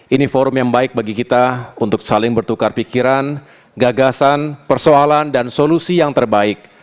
ini forum yang baik bagi kita untuk saling bertukar pikiran gagasan persoalan dan solusi yang terbaik